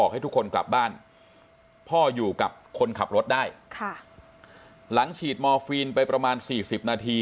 หลังฉีดมอร์ฟีนไปประมาณ๔๐นาที